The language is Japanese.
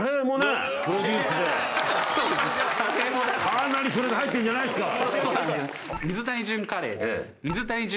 かなりそれが入ってるんじゃないですか？